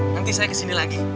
nanti saya kesini lagi